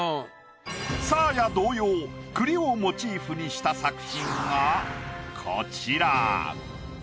サーヤ同様栗をモチーフにした作品がこちら。